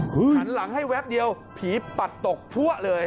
หันหลังให้แวบเดียวผีปัดตกพัวเลย